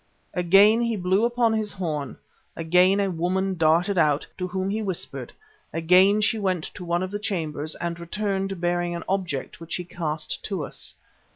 Again he blew upon his horn; again a woman darted out, to whom he whispered; again she went to one of the chambers and returned bearing an object which he cast to us.